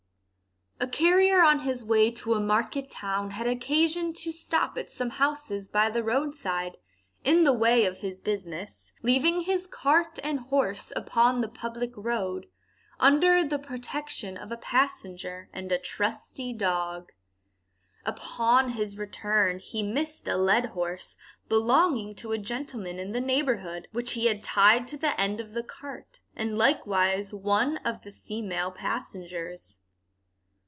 A carrier on his way to a market town had occasion to stop at some houses by the road side, in the way of his business, leaving his cart and horse upon the public road, under the protection of a passenger and a trusty dog. Upon his return he missed a led horse, belonging to a gentleman in the neighbourhood, which he had tied to the end of the cart, and likewise one of the female passengers.